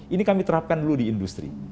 ini kami terapkan dulu di industri